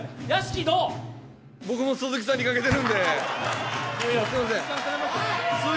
僕も鈴木さんにかけてるんで、すいません。